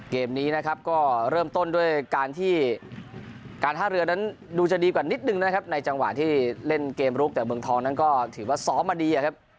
เกมนี้นะครับก็เริ่มต้นด้วยการที่การท่าเรือนั้นดูจะดีกว่านิดนึงนะครับในจังหวะที่เล่นเกมลุกแต่เมืองทองนั้นก็ถือว่าซ้อมมาดีอะครับ